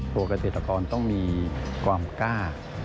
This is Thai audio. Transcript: เกษตรกรต้องมีความกล้า